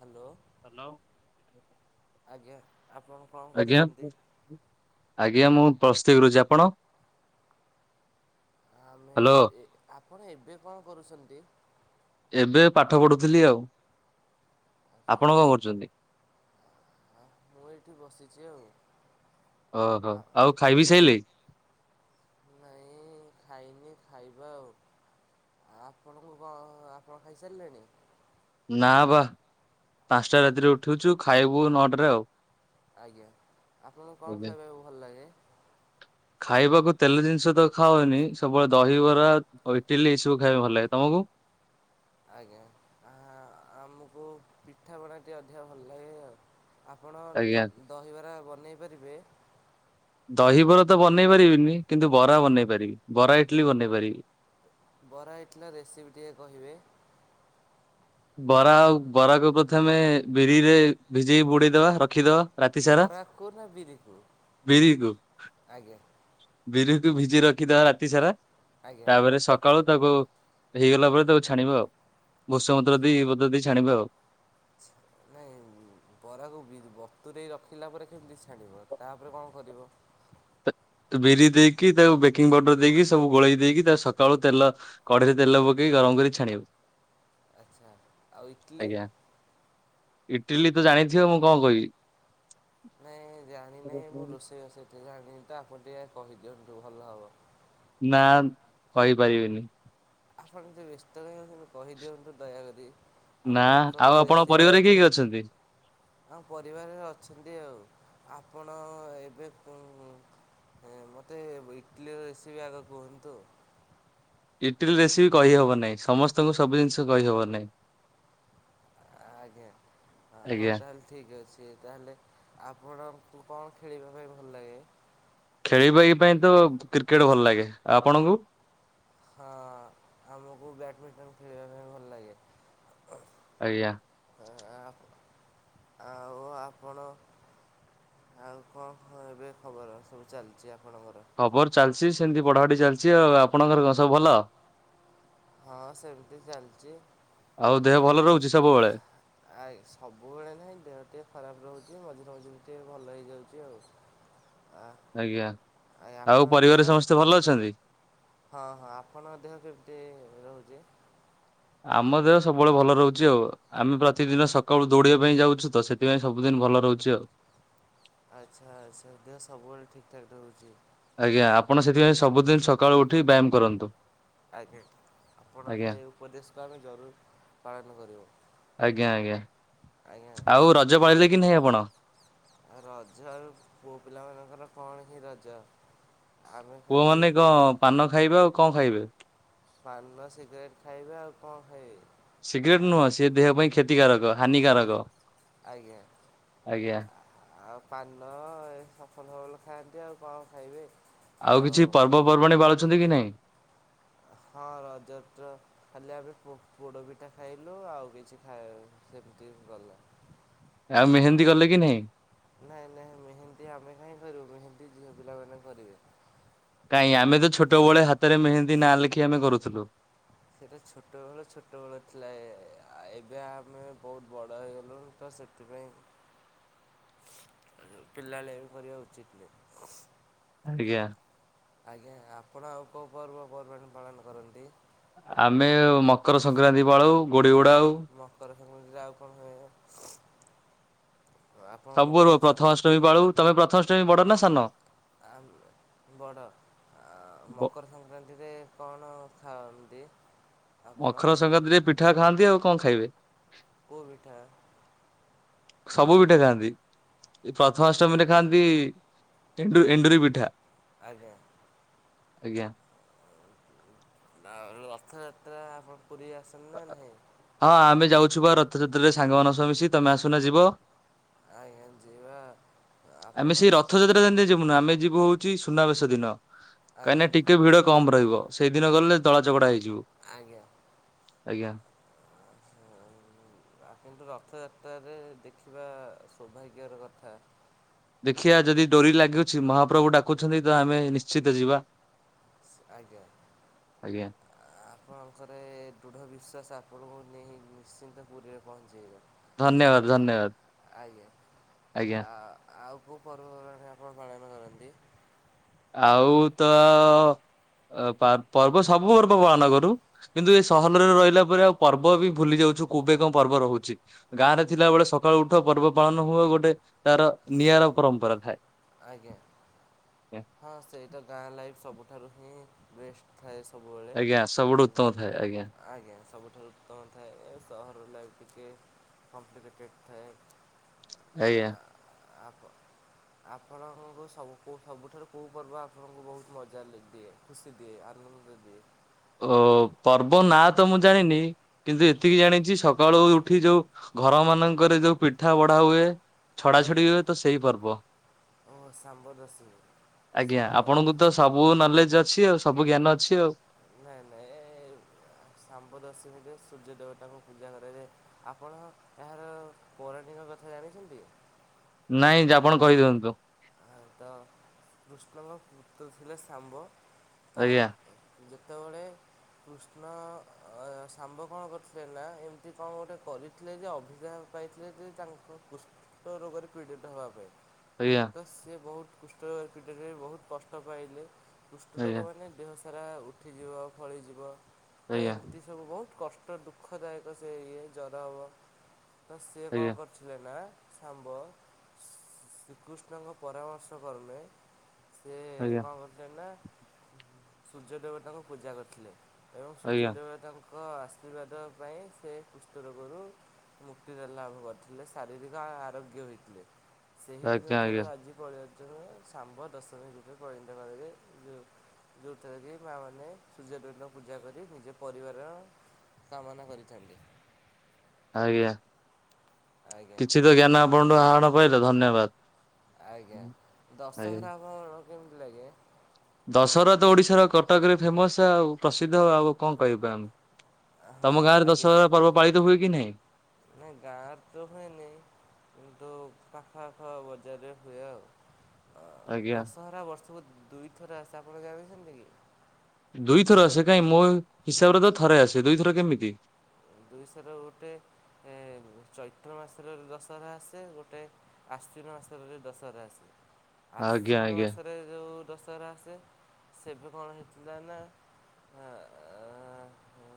Hello hello ଆଜ୍ଞା ଆପଣ କଣ ଆଜ୍ଞା କରୁଛନ୍ତି? ଆଜ୍ଞା ମୁଁ ପ୍ଲସ ଥ୍ରୀ କରୁଛି ଆପଣ? ଆମେ ହ୍ୟାଲୋ ଏଇଠି ଆପଣ ଏବେ କଣ କରୁଛନ୍ତି? ଏବେ ପାଠ ପଢୁଥିଲି ଆଉ ଆଚ୍ଛା ଆପଣ କଣ ଆଚ୍ଛା କରୁଛନ୍ତି? ମୁଁ ଏଇଠି ବସିଛି ଆଉ ଓହୋ ଆ ଆଉ ଖାଇବି ସାଇଲେନି ନାଇଁ ଖାଇନି ଖାଇବ ଆଉ ଆପଣଙ୍କୁ ଆପଣ ଖାଇସାରିଲେଣି ନା ବା ପାଞ୍ଚଟା ରାତିରେ ଉଠୁଛୁ ଖାଇବୁ ନଅଟାରେ ଆଉ। ଆଜ୍ଞା ଆପଣଙ୍କୁ କଣ ଖାଇବାକୁ ଭଲ ଲାଗେ। ଖାଇବାକୁ ତେଲ ଜିନିଷ ତ ଖାାଉନି ସବୁବେଳେ ଦହିବରା ଆଉ ଇଟିଲି ଏ ସବୁ ଖାଇବା ଭଲ ଲାଗେ ତମକୁ? ଆଜ୍ଞା ଆମକୁ ପିଠାପଣା ଟିକେ ଅଧିକା ଭଲ ଲାଗେ ଆଉ। ଆପଣ ଆଜ୍ଞା। ଦହିବରା ବନେଇ ପାରିବେ? ଦହିବରା ତ ବନେଇ ପାରିବିନି କିନ୍ତୁ ବରା ବନେଇ ପାରିବି ବରା ଇଟଲି ବନେଇ ପାରିବି। ବରା ଇଟଲା ରେସିପି ଟିକେ କହିବେ। ବରା ଆଉ ବରାକୁ ପ୍ରଥମେ ବିରିରେ ଭିଜେଇ ବୁଡେଇଦବା ରଖିଦବା। ରାତି ସାରା ବରାକୁ ନା ବିରିକୁ ବିରିକୁ ଆଜ୍ଞା। ବିରିକୁ ଭିଜି ରଖିଦବା ରାତି ସାରା ଆଜ୍ଞା। ତାପରେ ସକା ସକାଳୁ ତାକୁ ହେଇଗଲା ପରେ ତାକୁ ଛାଣିବ ଆଉ ଭୋଷ ପତ୍ର ଦେଇ ପତ୍ର ଦେଇ ଛାଣିବ ଆଉ। ନାଇଁ ବରାକୁ ବତୁରୋଇ ରଖିଲା ପରେ କେମିତି ଛାଣିବ ତାପରେ କଣ କରିବ? ବିରି ଦେଇକି ତାକୁ ବେକିଂ ପାଉଡର ଦେଇକି ସବୁ ଗୋଳେଇ ଦେଇକି ତା ସକାଳୁ ତେଲ କଢେଇରେ ତେଲ ପକେଇକି ଗରମ କରି ଛାଣିବୁ। ଆଚ୍ଛା ଆଉ ଇଟଲି? ଆଜ୍ଞା ଇଟିଲି ତ ଜାଣିଥିବ ମୁଁ କଣ କହିବି। ନାଇଁ ଜାଣିନାହିଁ ମୁଁ ରୋଷେଇ ବାସ ଏତେ ଜାଣିନି ତ ଆପଣ ଟିକେ କହିଦିଅନ୍ତୁ ଭଲ ହବ। ନା କହିପାରିବିନି। ଆପଣ ଏମିତି ବ୍ୟସ୍ତ କାଇଁ କହିଦିଅନ୍ତୁ ଦୟାକରି। ନା ଆପଣଙ୍କ ଆଉ ଆପଣଙ୍କ ପରିବାର କିଏ କିଏ ଅଛନ୍ତି? ଆଁ ପରିବାରରେ ଅଛନ୍ତି ଆଉ ଆପଣ ଏବେ ହଁ ମୋତେ ଇଟଲିର ରେସିପି ଆଗ କୁହନ୍ତୁ। ଇଟିଲି ରେସିପି କହିହବ ନାହିଁ ସମସ୍ତଙ୍କୁ ସବୁ ଜିନିଷ କହିହବ ନାହିଁ। ଆଜ୍ଞା ଆଜ୍ଞା। ହଉ ତାହେଲେ ଠିକ୍ ଅଛି ତାହେଲେ ଆପଣଙ୍କୁ କଣ ଖେଳିବା ପାଇଁ ଭଲ ଲାଗେ? ଖେଳିବା ପାଇଁ ତ କ୍ରିକେଟ ଭଲ ଲାଗେ ଆପଣଙ୍କୁ? ହଁ ଆମକୁ ବ୍ୟାଡ଼ମିଣ୍ଟନ ଖେଳିବା ପାଇଁ ଭଲ ଲାଗେ। ଆଜ୍ଞା ଆଉ ଆପଣ ଆଉ କଣ ଏବେ ଖବର ସବୁ ଚାଲିଛି ଆପଣଙ୍କର? ଖବର ଚାଲିଛି ସେମିତି ପଢାପଢି ଚାଲିଛି ଆଉ ଆପଣଙ୍କର ସବୁ ଭଲ? ହଁ ସେମିତି ଚାଲିଛି। ଆଉ ଦେହ ଭଲ ରହୁଛି ସବୁବେଳେ? ଆ ସବୁବେଳେ ନାହିଁ ଦେହ ଟିକେ ଖରାପ ରହୁଛି ମଝିରେ ମଝିରେ ଟିକେ ଭଲ ହେଇଯାଉଛି ଆଉ। ଆ ଆଜ୍ଞା ଆଉ ଆପଣଙ୍କ ଦେହ ପରିବାର ସମସ୍ତେ ଭଲ ଅଛନ୍ତି? ହଁ ହଁ ଆପଣଙ୍କ ଦେହ କେମିତି ରହୁଛି? ଆମ ଦେହ ସବୁବେଳେ ଭଲ ରହୁଛି ଆଉ। ଆମେ ପ୍ରତିଦିନ ସକାଳୁ ଦୌଡିବା ପାଇଁ ଯାଉଛୁ ତ ସେଥିପାଇଁ ସବୁଦିନ ଭଲ ରହୁଛି ଆଉ। ଆଚ୍ଛା ଆଚ୍ଛା ଦେହ ସବୁବେଳେ ଠିକ୍ ଠାକ୍ ରହୁଛି। ଆଜ୍ଞା ଆପଣ ସେଥିପାଇଁ ସବୁଦିନ ସକାଳୁ ଉଠି ବ୍ୟାୟାମ କରନ୍ତୁ। ଆଜ୍ଞା ଆଜ୍ଞା। ଆପଣଙ୍କ ଏଇ ଉପଦେଶକୁ ଆମେ ଜରୁରୀ ପାଳନ କରିବ। ଆଜ୍ଞା ଆଜ୍ଞା ଆଉ ରଜ ପାଳିଲେକି ନାହିଁ ଆପଣ? ରଜ ଆଉ ପୁଅପିଲାମାନଙ୍କର କଣ ହିଁ ରଜ। ଆମେ ଖାଲି ପୁଅମାନେ କଣ ପାନ ଖାଇବେ ଆଉ କଣ ଖାଇବେ। ପାନ ସିଗରେଟ୍ ଖାଇବେ ଆଉ କଣ ଖାଇବେ। ସିଗ୍ରେଟ ନୁହଁ ସିଏ ଦେହ ପାଇଁ କ୍ଷତିକାରକ ହାନିକାରକ। ଆଜ୍ଞା ଆଜ୍ଞା। ଆଉ ପାନ ଏସଫଲ ଫଫଲ ଖାଆନ୍ତି ଆଉ କଣ ଖାଇବେ। ଆଉ କିଛି ପର୍ବପର୍ବାଣୀ ପାଳୁଛନ୍ତିକି ନାଇଁ? ହଁ ରଜତ ଖାଲି ଆମେ ପୋ ପୋଡପିଠା ଖାଇଲୁ ଆଉ କିଛି ଖାଇ ସେମିତି ଗଲା। ଆଉ ମେହେନ୍ଦୀ ଗଲେକି ନାଇଁ? ନାଇଁ ନାଇଁ ମେହେନ୍ଦୀ ଆମେ କାହିଁ କରିବୁ ମେହେନ୍ଦୀ ଝିଅ ପିଲାମାନୋନେ କରିବେ। କାଇଁ ଆମେ ତ ଛୋଟବେଳେଆ ହାତରେ ମେହେନ୍ଦୀ ନା ଲେଖି ଆମେ କରୁଥିଲୁ। ସେଇଟା ଛୋଟବେଳ ଛୋଟବେଳ ଥିଲା ଏବେ ଆମେ ବହୁତ ବଡ଼ ହେଇଇଗଲୁଣି ତ ସେ ସେଥିପାଇଁ ପିଲାଳିଆମୀ ବି କରିବା ଉଚିତ ନୁହେଁ। ଆଜ୍ଞା। ଆଜ୍ଞା ଆପଣ ଆଉ କେଉଁ ପର୍ବ ପର୍ବାଣି ପାଳନ କରନ୍ତି? ଆମେ ମକର ସଂକ୍ରାନ୍ତି ପାଳଉ। ମକର ସଂକ୍ରାନ୍ତିରେ ଆଉ କଣ ହୁଏ। ଆପଣ ସବୁ ରୁ ମକର ଚାଉ ପ୍ରଥମ ଅଷ୍ଟମୀ ପାଳୁ ତମେ ପ୍ରଥମ ଅଷ୍ଟମୀ ବଡ ନା ସାନ? ଆମେ ବଡ଼ ଆ ବ ମକର ସଂକ୍ରାନ୍ତିରେ କଣ ଖାଅନ୍ତି? ମଖର ସଂକ୍ରାନ୍ତିରେ ପିଠା ଖାଆନ୍ତି ଆଉ କଣ ଖାଇବେ? କୁ ପିଠା? ସବୁ ପିଠା ଖାଆନ୍ତି? ପ୍ରଥମା ଅଷ୍ଟମୀରେ ଖାଆନ୍ତି ଏଣ୍ଡୁ ଏଣ୍ଡୁରି ପିଠା। ଆଜ୍ଞା। ଆଜ୍ଞା। ନା ରଥଯାତ୍ରା ଆପଣ ପୁରୀ ଆସନ୍ତି ନା ନାଇଁ। ହଁ ଆମେ ଯାଉଛୁ ବା ରଥଯାତ୍ରାରେ ସାଙ୍ଗମାନ ସହ ମିଶି ତମେ ଆସୁନ ଯିବ? ଆଜ୍ଞା ଯିବା। ଆମେ ଆପଣ ସେଇ ରଥଯାତ୍ରା ଦିନ ଯିବୁନୁ ଆମେ ଯିବୁ ହଉଛି ସୁନାବେଶ ଦିନ ଆଜ୍ଞା କାହିଁକିନା ଟିକେ ଭିଡ କମ ରହିବ। ସେଇଦିନ ଗଲେ ଦଳା ଚକଟା ହେଇଯିବୁ। ଆଜ୍ଞା। ଆଜ୍ଞା। ହଉ ଆପଣ ତ ରଥଯାତ୍ରାରେ ଦେଖିବା ସୌଭାଗ୍ୟର କଥା। ଦେଖିଆ ଯଦି ଡୋରି ଲାଗୁଛି ମହାପ୍ରଭୁ ଡାକୁଛନ୍ତି ତ ଆମେ ନିଶ୍ଚିତ ଯିବା। ଆଜ୍ଞା। ଆଜ୍ଞା ଆପଣଙ୍କର ଏ ଦୃଢ ବିଶ୍ୱାସ ଆପଣଙ୍କୁ ନେଇ ନିଶ୍ଚିନ୍ତ ପୁରୀରେ ପହଞ୍ଚେଇବ? ଆ ଧନ୍ୟବାଦ ଧନ୍ୟବାଦ ଆଇଲେ ଆଜ୍ଞା ଆ ଆଉ କୋଉ ପର୍ବପର୍ବାଣୀ ଆପଣ ପାଳନ କରନ୍ତି? ଆଉ ତ ଅ ପର୍ବ ସବୁ ପର୍ବ ପାଳନ କରୁ। କିନ୍ତୁ ଏ ସହରରେ ରହିଲା ପରେ ଆଉ ପର୍ବ ବି ଭୁଲି ଯାଉଚର କେବେ କଣ ପର୍ବ ରହୁଚି। ଗାଁ ରେ ଥିଲା ବେଳେ ସକାଳୁ ଉଠ ପର୍ବ ପାଳନ ହୁଅ ଗୋଟେ ତାର ନିଆରା ପରମ୍ପରା ଥାଏ। ଆଜ୍ଞା। ହଁ ସେଇଟା ଗାଁ ଲାଇଫ୍ ସବୁଠାରୁ ହିଁ ବେଷ୍ଟ ଥାଏ ସବୁବେଳେ। ଆଜ୍ଞା ସବୁଠୁ ଉତ୍ତମ ଥାଏ ଆଜ୍ଞା ଆଜ୍ଞା ସବୁଠାରୁ ଉତ୍ତମ ଥାଏ ଏ ସହର ଲାଇଫ୍ ଟିକେ କମ୍ପ୍ଲିକେଟେଡ୍ ଥାଏ। ଆଜ୍ଞା। ଆପ ଆପଣଙ୍କୁ ସବୁ ସବୁଠାରୁ କଉ ପର୍ବ ଆପଣଙ୍କୁ ବହୁତ ମଜା ଲାଗି ଦିଏ ଖୁସି ଦିଏ ଆନନ୍ଦ ଦିଏ? ଓ ପର୍ବ ନାଁ ତ ମୁଁ ଜାଣିନି କିନ୍ତୁ ଏତିକି ଜାଣିଛି ସକାଳୁ ଉଠି ଯୋଉ ଘର ମାନଙ୍କରେ ଯୋଉ ପିଠା ବଢା ହୁଏ। ଛଡା ଛଡି ଆଜ୍ଞା। ହୁଏ ତ ସେଇ ପର୍ବ ଓ ସାମ୍ବଦଶୀ ଆଜ୍ଞା ସାମ୍ବ ଆପଣଙ୍କୁ ତ ସବୁ ନଲେଜ ଅଛି ଆଉ ସବୁ ଜ୍ଞାନ ଅଛି ଆଉ। ନାଇଁ ନାଇଁ ଏ ଶାମ୍ବଦଶମୀରେ ସୂର୍ଯ୍ୟ ଦେବତାଙ୍କୁ ପୂଜା କରାଯାଏ। ଆପଣ ଏହାର ପୌରାଣିକ କଥା ଜାଣିଚନ୍ତି? ନାଇଁ ଯେ ଆପଣ କହିଦିଅନ୍ତୁ। ଆଉ ତ କୃଷ୍ଣଙ୍କ ପୁତ୍ର ଥିଲେ ଶାମ୍ବ ତ ଆଜ୍ଞା ଯେତେବେଳେ କୃଷ୍ଣ ଅ ଶାମ୍ବ କଣ କରିଥିଲେ ନା ଏମିତି କଣ ଗୋଟେ କରି ଥିଲେ ଯେ ଅଭିଶାପ ପାଇଥିଲେ ଯେ ତାଙ୍କ କୁଷ୍ଠ ରୋଗରେ ପୀଡ଼ିତ ହେବା ପାଇଁ। ଆଜ୍ଞା। ସେ ବହୁତ୍ କୁଷ୍ଟ ପୀଡ଼ରେ ବହୁତ୍ କଷ୍ଟ ପାଇଲେ କୁଷ୍ଟ ଆଜ୍ଞା ରୋଗମାନେ ଦେହ ସାରା ଉଠିଯିବ ଫଳିଯିବ ତ ଆଜ୍ଞା ଏମିତି ସବୁ ବହୁତ୍ କଷ୍ଟ ଦୁଃଖଦାୟକ ସେ ଇଏ ଜ୍ୱର ହବ ତ ସିଏ ଆଜ୍ଞା କଣ କରି ଥିବେନା ଶାମ୍ବ ସି ଶ୍ରୀକୃଷ୍ଣଙ୍କ ପରାମର୍ଶ କର୍ମେ ସେ ଆଜ୍ଞା କଣ କରିଥିଲେନା ସୂର୍ଯ୍ୟ ଦେବତାଙ୍କୁ ପୂଜା କରିଥିଲେ। ଏବଂ ସୂର୍ଯ୍ୟ ଆଜ୍ଞା ଦେବତାଙ୍କ ଆଶୀର୍ବାଦ ପାଇଁ ସେ କୁଷ୍ଠ ରୋଗରୁ ସେ ମୁକ୍ତିରେ ଲାଭ କରିଥିଲେ ଶାରୀରିକ ଆରୋଗ୍ୟ ହୋଇଥିଲେ ସେହି ଆଜ୍ଞା ଦିନ ଠାରୁ ଆଜ୍ଞା ଆଜି [unintelligible] ଶାମ୍ବ ଦଶମି ଯୁଗରେ ପରିନିତ କରାଯାଏ ଯୋଉଥିରେ କି ମା ମାନେ ସୂର୍ଯ୍ୟ ଦେବତାଙ୍କୁ ପୂଜା କରି ନିଜ ପରିବାର କାମନା କରିଥାନ୍ତି। ଆଜ୍ଞା ଆଜ୍ଞା କିଛି ତ ଜ୍ଞାନ ଆପଣଠୁ ଆହାଣି ପାଇଲେ ଧନ୍ୟବାଦ। ଆଜ୍ଞା ଆଜ୍ଞା ଦଶହରା ଆପଣଙ୍କୁ କେମିତି ଲାଗେ? ଦଶହରା ତ ଓଡିଶାର କଟକରେ ଫେମସ୍ ଆଉ ପ୍ରସିଦ୍ଧ ଆଉ କଣ କହିବା ଆମେ ହଁ ତମ ଗାଁରେ ଦଶହରା ପର୍ବ ପାଳିତ ହୁଏ କି ନାହିଁ? ନାଁ ଗାଁରେ ତ ହୁଏନି। କିନ୍ତୁ ପାଖ ଆଖ ବଜାରରେ ହୁଏ ଆଉ। ଅ ଆଜ୍ଞା। ଦଶହରା ବର୍ଷକୁ ଦୁଇଥର ଆସେ ଆପଣ ଜାଣିଚନ୍ତିକି? ଦୁଇଥର ଆସେ କାଇଁ ମୋ ହିସାବରେ ତ ଥରେ ଆସେ ଦୁଇଥର କେମିତି? ଦୁଇସର ଗୋଟେ ଏ ଚୈତ୍ର ମାସରେ ଦଶହରା ଆସେ ଗୋଟେ ଆଶ୍ୱିନ ମାସରେ ବି ଦଶହରା ଆସେ ଆଜ୍ଞା ଆଶ୍ୱିନ ଆଜ୍ଞା ମାସରେ ଯୋଉ ଦଶ ହରା ଆସେ ସେବେ କଣ ହେଇଥିଲା ନା ଆ ଆ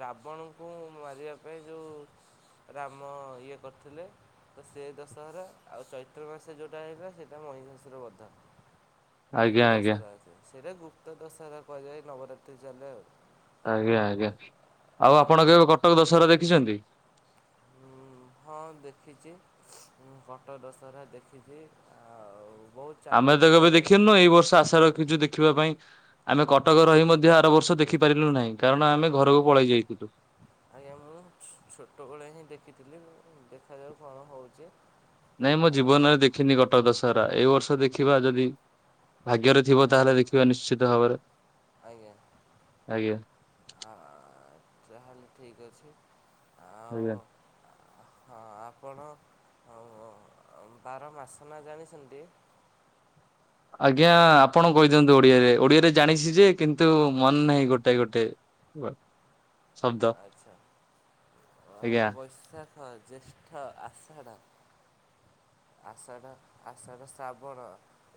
ରାବଣଙ୍କୁ ମାରିବା ପାଇଁ ଯେଉଁ ରାମ ଇଏ କରିଥିଲେ। ତ ସେ ଦଶହରା ଆଉ ଚୈତ୍ର ମାସ ଯେଉଁଟା ହେବେ ସେଇଟା ମହିଷାସୁର ବଧ ଆଜ୍ଞା ଦୁଇଟି ଆଜ୍ଞା ଦଶହରା ଅଛି ସେଇଟା ଗୁପ୍ତ ଦଶହରା କୁହାଯାଏ ନବରାତ୍ରି ଚାଲେ ଆଉ। ଆଜ୍ଞା ଆଜ୍ଞା ଆଉ ଆପଣ ଆଜ୍ଞା କେବେ କଟକ ଦଶହରା ଦେଖିଛନ୍ତି? ଉ ହଁ ଦେଖିଚି। ମୁଁ କଟକ ଦଶହରା ଦେଖିଚି ଆଉ ବହୁତ୍ ଆମେ ତ କେବେ ଦେଖିନୁ ଏଇ ବର୍ଷ ଆଶା ରଖିଚୁ ଦେଖିବା ପାଇଁ ଆମେ କଟକ ରହି ମଧ୍ୟ ଆର ବର୍ଷ ଦେଖି ଦେଖିପାରିଲୁ ନାହିଁ କାରଣ ଆମେ ଘରକୁ ଆଜ୍ଞା ପଳେଇ ଯାଇଥିଲୁ। ଆଜ୍ଞା ମୁଁ ଛୋ ଛୋଟବେଳେ ହିଁ ଦେଖିଥିଲି ଦେଖାଯାଉ କଣ ହଉଚି। ନାଇଁ ମୁଁ ଜୀବନରେ ଦେଖିନି କଟକ ଦଶହରା ଏଇ ବର୍ଷ ଦେଖିବା ଯଦି ଭାଗ୍ୟରେ ଥିବ ଆଜ୍ଞା ତାହେଲେ ଦେଖିବା ନିଶ୍ଚିତ ଭାବରେ। ଆଜ୍ଞା ଆଜ୍ଞା ଆ ତାହେଲେ ଠିକ୍ ଅଛି ଆଉ ଆଜ୍ଞା। ହଁ ଆପଣ ଅ ବାର ମାସନା ଜାଣିଛନ୍ତି? ଆଜ୍ଞା ଆପଣ କହିଦିଅନ୍ତୁ ଓଡିଆରେ ଓଡିଆରେ ଜାଣିଛି ଯେ କିନ୍ତୁ ମନେ ନାହିଁ ଗୋଟେ ଗୋଟେ। [unintelligible] ଆଚ୍ଛା ଅ ଆଜ୍ଞା ବୈଶାଖ, ଜ୍ୟେଷ୍ଠ, ଆଷାଢ଼। ଆଷାଢ଼ ଆଷାଢ଼ ଶ୍ରାବଣ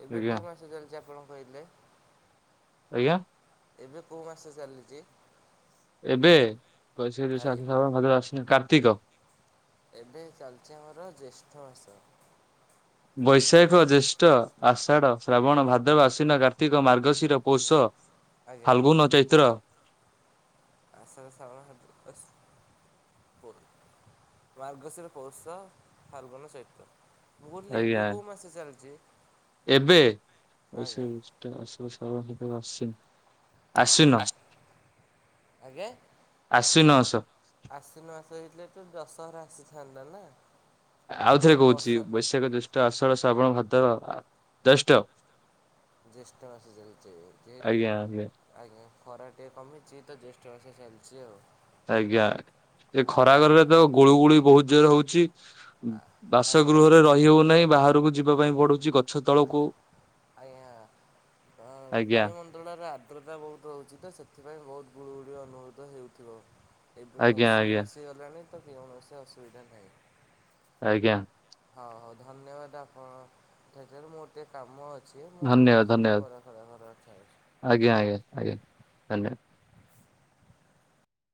ଏବେ ଆଜ୍ଞା କୋଉ ମାସ ଚାଲିଚି ଆପଣ କହିଲେ? ଆଜ୍ଞା। ଏବେ କୋଉ ମାସ ଚାଲିଚି? ଏବେ ବୈଶାଖ, ଜ୍ୟୈଷ୍ଠ, ଆଜ୍ଞା, ଆଶ୍ଵିନ, ଶ୍ରାବଣ, ଭାଦ୍ରବ, ଆଶ୍ଵିନ, କାର୍ତ୍ତିକ। ଏବେ ଚାଲିଛି ଆମର ଜ୍ୟେଷ୍ଠ ଆସ ବୈଶାଖ ଜ୍ୟେଷ୍ଠ ଆଷାଢ ଶ୍ରାବଣ ଭାଦ୍ରବ ଆଶ୍ଵିନ କାର୍ତ୍ତିକ ମାର୍ଗଶିର। ପୈଷ ଆଜ୍ଞା, ଫାଲଗୁନ ଚୈତ୍ର। ଆଷାଢ଼ ଶ୍ରାବଣ ଆସ ମାର୍ଗଶିର ପୌଷ ଫାଲଗୁନ ଚୈତ୍ର। ମୁଁ କହୁଥିଲି ଏବେ ଆଜ୍ଞା କୋଉ ମାସ ଚାଲିଛି ଏବେ ବୈଶାଖ ଆଜ୍ଞା। ଜ୍ୟେଷ୍ଠ ଆଶ୍ଵିନ। ଆଶ୍ଵିନ ମାସ। ଆଶ୍ଵିନ ମାସ ହେଇଥିଲେ ତ ଦଶହରା ଆସିଥାନ୍ତା ନା। ଆଉଥରେ କହୁଛି ବର୍ଷା ବୈଶାଖ ଜ୍ୟୈଷ୍ଠ ଆଷାଢ଼ ଶ୍ରାବଣ ଭାଦ୍ରବ ଜ୍ୟୈଷ୍ଠ। ଜ୍ୟେଷ୍ଠ ମାସ ଚାଲିଛି ଯେହେତୁ ଆଜ୍ଞା ଆଜ୍ଞା ଆଜ୍ଞା ଖରା ଟିକେ କମିଛି ତ ଜ୍ୟେଷ୍ଠ ମାସ ଚାଲିଛି ଆଉ। ଆଜ୍ଞା ଏ ଖରା ଆଜ୍ଞା ଗରମରେ ତ ଗୁଳୁ ଗୁଳିୁ ବହୁତ ଜୋର ହଉଛି। ଆଜ୍ଞା ବାସଗୃହରେ ରହି ହଉନାହିଁ ବାହାରକୁ ଯିବା ପାଇଁ ପଡୁଛି ଗଛ ତଳକୁ। ଆଜ୍ଞା ଅ ଆଜ୍ଞା ବାୟୁମଣ୍ଡ ରେ ଆଦ୍ରତା ବହୁତ ହେଉଛି ତ ସେଥିପାଇଁ ବହୁତ ଗୁଳୁଗୁଳି ଅନୁଭୂତ ହେଉଥିବ। ଏବେ ଆଜ୍ଞା ମୈସୁମୀ ଆଜ୍ଞା ଆସିଗଲାଣି ତ କୌଣସି ଅସୁବିଧା ନାହିଁ। ଆଜ୍ଞା। ହଉ ହଉ ଧନ୍ୟବାଦ ଆପଣଟ ମୋ ଏତେ କାମ ଅଛି ମୁଁ ଆପଣଙ୍କ ଧନ୍ୟବାଦ ସହିତ ଧନ୍ୟବାଦ ପରେ କଥା ହେବି। ଆଜ୍ଞା ଆଜ୍ଞା ଆଜ୍ଞା ଧନ୍ୟବାଦ।